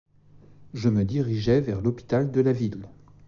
Je me dirigeais vers l'hôpital de la ville.